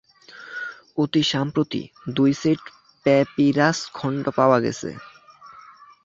অতি সম্প্রতি, দুই সেট প্যাপিরাস খণ্ড পাওয়া গিয়েছে।